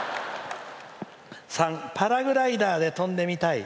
「３、パラグライダーで飛んでみたい」。